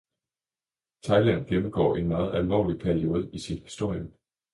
Thailand gennemgår en meget alvorlig periode i sin historie.